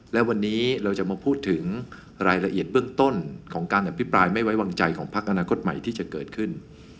และวันนี้เราจะมาพูดถึงรายละเอียดเบื้องต้นของการอภิปรายไม่ไว้วางใจของพักอนาคตใหม่ที่จะเกิดขึ้น